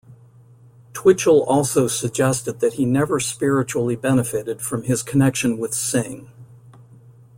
Twitchell also suggested that he never spiritually benefited from his connection with Singh.